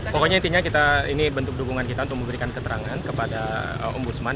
pokoknya intinya kita ini bentuk dukungan kita untuk memberikan keterangan kepada ombudsman